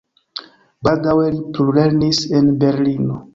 Baldaŭe li plulernis en Berlino.